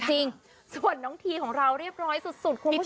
จริงส่วนน้องทีของเราเรียบร้อยสุดคุณผู้ชม